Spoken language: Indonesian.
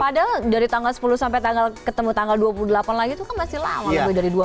padahal dari tanggal sepuluh sampai tanggal ketemu tanggal dua puluh delapan lagi itu kan masih lama lebih dari dua hari